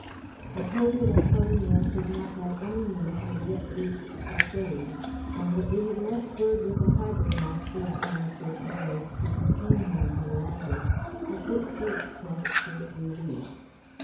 I told her that Cullen Mayle could not by any means have yet reached the Scillies, and that we had left word with the harbour master upon St. Mary's to detain him if he landed; at which she expressed great relief.